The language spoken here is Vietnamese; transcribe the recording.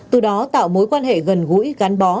từ đó tạo mối quan hệ gần gũi gắn bó